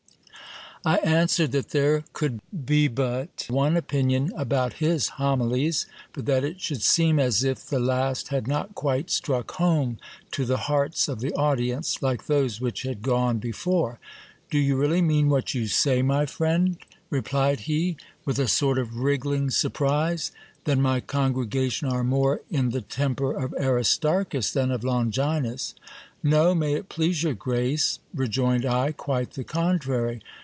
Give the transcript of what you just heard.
I answered that there could be but one opinion about his homilies ; but that it should seem as if the last had not quite struck home to the hearts of the audience, like those which had gone before. Do you really mean what you say, my friend ? replied he, with a sort of wriggling surprise. Then my congregation are more in the temper of Aristarchus than of Longinus ! No, may it please your grace, rejoined I, quite the contrary.